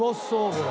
これ。